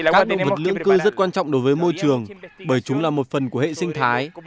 các động vật lưỡng cư rất quan trọng đối với môi trường bởi chúng là một phần của hệ sinh thái